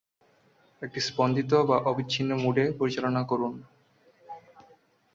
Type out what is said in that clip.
একটি স্পন্দিত বা অবিচ্ছিন্ন মোডে পরিচালনা করুন।